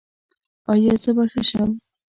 ایا زه به ښه شم؟